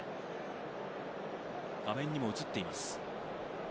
画面にも映っています。